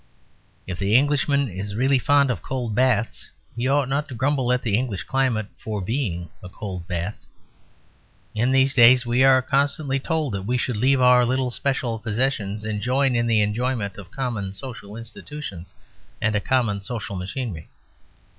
If the Englishman is really fond of cold baths, he ought not to grumble at the English climate for being a cold bath. In these days we are constantly told that we should leave our little special possessions and join in the enjoyment of common social institutions and a common social machinery.